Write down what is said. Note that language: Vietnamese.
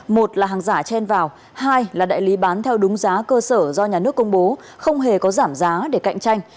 một là hàng giả trên vào hai là đại lý bán theo đúng giá cơ sở do nhà nước công bố không hề có giảm giá để cạnh tranh